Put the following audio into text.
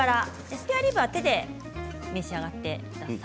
スペアリブは手で召し上がってください。